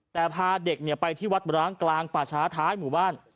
แต่พาเด็กไปที่วัดร้างกลางป่าช้าท้ายหมู่บ้าน